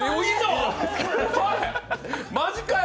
マジかよ！